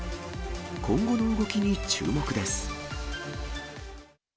今後の動きに注目です。